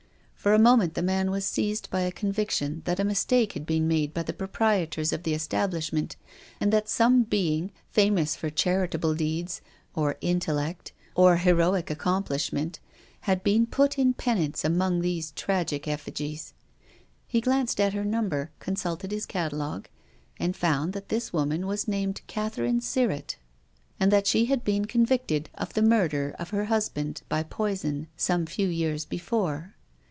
For a moment the man was seized by a conviction that a mistake had been made by the proprietors of the establishment, and that some being, famous for charitable deeds, or intellect, or heroic accomplishment had been put in penance among these tragic effigies. He glanced at her number, consulted his catalogue, and found that this woman was named Catherine Sirrett, and that she had been convicted of the murder of her husband by poison some few years before.